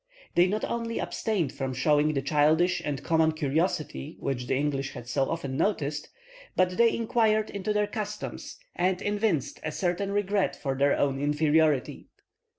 They not only abstained from showing the childish and common curiosity which the English had so often noticed, but they inquired into their customs and evinced a certain regret for their own inferiority.